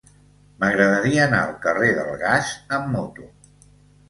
M'agradaria anar al carrer del Gas amb moto.